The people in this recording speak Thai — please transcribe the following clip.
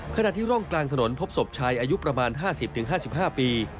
ขณะที่ร่องกลางถนนพบศพชายอายุประมาณ๕๐๕๕ปี